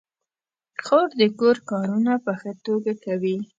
خور د کور کارونه په ښه توګه کوي.